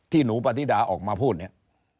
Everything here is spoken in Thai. หนูปฏิดาออกมาพูดเนี่ย